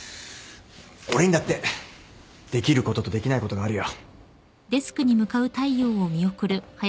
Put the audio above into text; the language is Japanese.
俺にだってできることとできないことがあるよ。